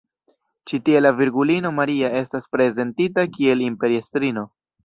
Ĉi tie la Virgulino Maria estas prezentita kiel imperiestrino.